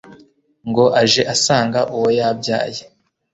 ngo aje asanga uwo yabyaye